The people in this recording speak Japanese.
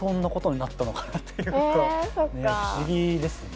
不思議ですね。